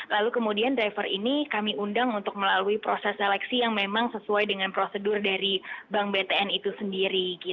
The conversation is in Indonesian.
lalu kemudian driver ini kami undang untuk melalui proses seleksi yang memang sesuai dengan prosedur dari bank btn itu sendiri